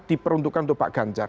di peruntukan untuk pak ganjar